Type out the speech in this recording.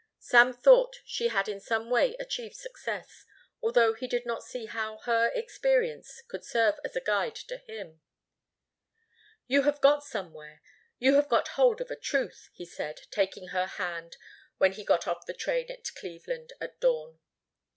Sam thought she had in some way achieved success, although he did not see how her experience could serve as a guide to him. "You have got somewhere. You have got hold of a truth," he said, taking her hand when he got off the train at Cleveland, at dawn.